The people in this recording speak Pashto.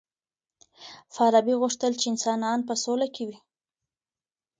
فارابي غوښتل چی انسانان په سوله کي وي.